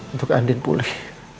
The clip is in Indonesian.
untuk andin pulih